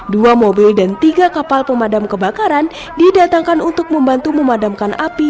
dua mobil dan tiga kapal pemadam kebakaran didatangkan untuk membantu memadamkan api